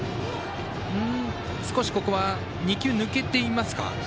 ここは２球、抜けていますか？